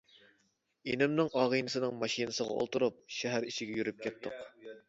ئىنىمنىڭ ئاغىنىسىنىڭ ماشىنىسىغا ئولتۇرۇپ شەھەر ئىچىگە يۈرۈپ كەتتۇق.